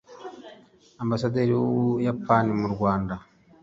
Ambasaderi w’u Buyapani mu Rwanda